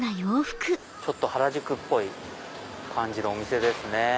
ちょっと原宿っぽい感じのお店ですね。